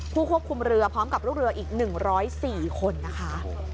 ผู้ควบคุมเรือพร้อมกับลูกเรืออีก๑๐๔คนนะคะ